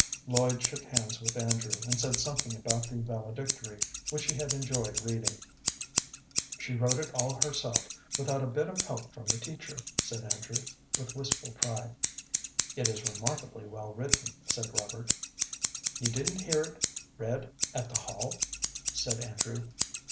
Lloyd shook hands with Andrew, and said something about the valedictory, which he had enjoyed reading. "She wrote it all herself without a bit of help from the teacher," said Andrew, with wistful pride. "It is remarkably well written," said Robert. "You didn't hear it read at the hall?" said Andrew.